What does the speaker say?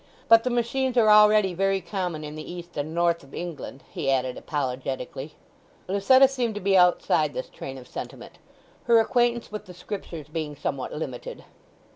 "But the machines are already very common in the East and North of England," he added apologetically. Lucetta seemed to be outside this train of sentiment, her acquaintance with the Scriptures being somewhat limited.